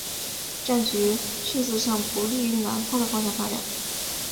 战局迅速向不利于南方的方向发展。